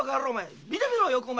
見てみろよよく。